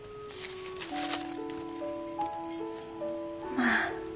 まあ。